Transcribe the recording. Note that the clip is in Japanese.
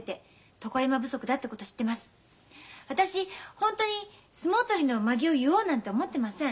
本当に相撲取りのまげを結おうなんて思ってません。